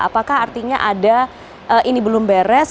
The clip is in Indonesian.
apakah artinya ada ini belum beres